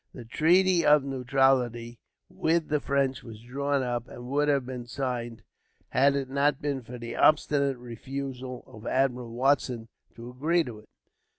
The treaty of neutrality with the French was drawn up, and would have been signed, had it not been for the obstinate refusal of Admiral Watson to agree to it.